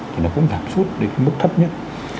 thì nó cũng tạm xuất đến mức thấp nhất